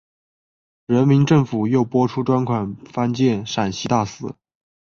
人民政府又拨出专款翻建陕西大寺。